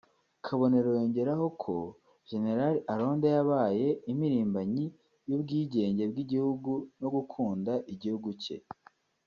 Kabonero yongeyeho ko Gen Aronda yabaye impirimbanyi y’ubwigenge bw’igihugu no gukunda igihugu cye